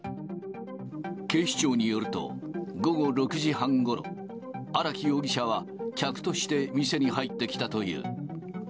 警視庁によると、午後６時半ごろ、荒木容疑者は客として店に入ってきたという。